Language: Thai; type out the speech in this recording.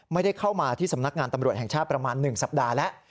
ไม่ได้เข้ามาที่สำนักงานตำรวจแห่งชาติประมาณ๑สัปดาห์แล้ว